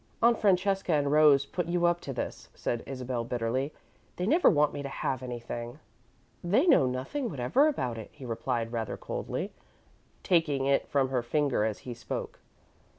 "Aunt Francesca and Rose put you up to this," said Isabel, bitterly. "They never want me to have anything." "They know nothing whatever about it," he replied, rather coldly, taking it from her finger as he spoke.